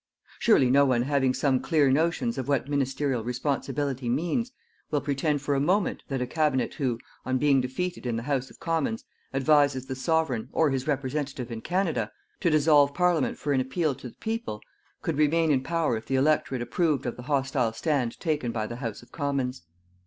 Surely, no one having some clear notions of what MINISTERIAL RESPONSIBILITY means, will pretend for a moment that a Cabinet who, on being defeated in the House of Commons, advises the Sovereign or his representative in Canada to dissolve Parliament for an appeal to the people, could remain in power if the Electorate approved of the hostile stand taken by the House of Commons.